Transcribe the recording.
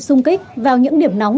xung kích vào những điểm nóng